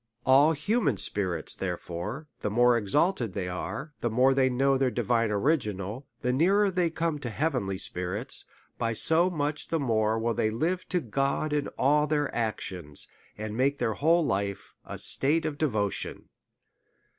All human spirits, therefore, the more ex alted they are, the nearer they come to heavenly spi rits, by so much the more will they live to God in all their actions, and make their whole life a state of devo tion.